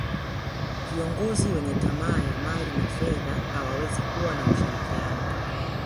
viongozi wenye tamaa ya mali na fedha hawawezi kuwa na ushirikiano